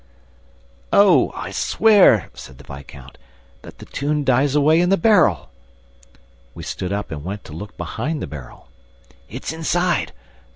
..." "Oh, I swear," said the viscount, "that the tune dies away in the barrel! ..." We stood up and went to look behind the barrel. "It's inside," said M.